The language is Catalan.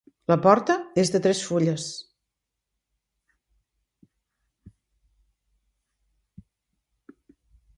La porta és de tres fulles.